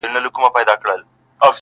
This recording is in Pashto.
پربت باندي يې سر واچوه~